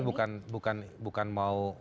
saya bukan mau